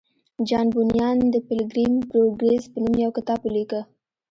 جان بونیان د پیلګریم پروګریس په نوم یو کتاب ولیکه